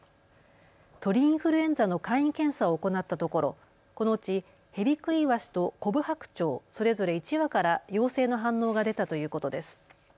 鳥インフルエンザの簡易検査を行ったところ、このうちヘビクイワシとコブハクチョウそれぞれ１羽から陽性の反応が出たということです。